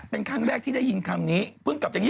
เพิ่งกลับจากญี่ปุ่นเป็นไงบ้าง